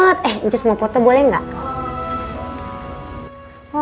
wah tapi kalau di foto mukanya cemberut jadinya nggak bagus